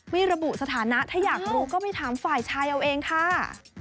ไม่ระบุสถานะถ้าอยากรู้ก็ไปถามฝ่ายชายเอาเองค่ะ